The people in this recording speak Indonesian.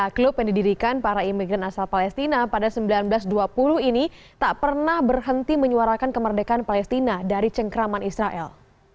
klub yang didirikan para imigran asal palestina pada seribu sembilan ratus dua puluh ini tak pernah berhenti menyuarakan kemerdekaan palestina dari cengkraman israel